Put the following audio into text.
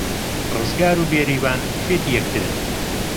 ڕزگار و بێریڤان شێتی یەکترن.